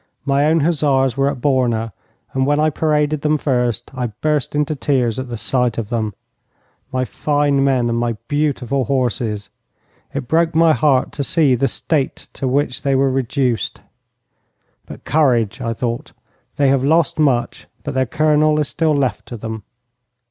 My own hussars were at Borna, and when I paraded them first, I burst into tears at the sight of them. My fine men and my beautiful horses it broke my heart to see the state to which they were reduced. 'But, courage,' I thought, 'they have lost much, but their Colonel is still left to them.'